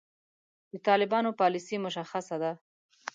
د طالبانو پالیسي مشخصه ده.